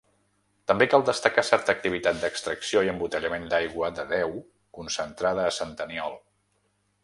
També cal destacar certa activitat d'extracció i embotellament d'aigua de deu concentrada a Sant Aniol.